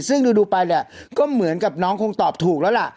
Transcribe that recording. ซึ่งดูไปเนี่ยก็เหมือนกับน้องคงตอบถูกแล้วล่ะ